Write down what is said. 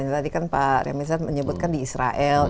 tadi kan pak remesan menyebutkan di israel